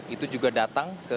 itu juga datang